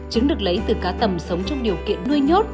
trứng được lấy từ cá tầm sống trong điều kiện nuôi nhốt